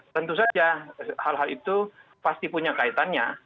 tentu saja hal hal itu pasti punya kaitannya